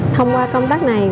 thông qua công tác này